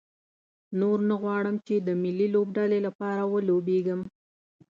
نور نه غواړم چې د ملي لوبډلې لپاره ولوبېږم.